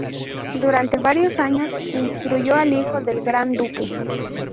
Durante varios años, instruyó al hijo del "gran duque".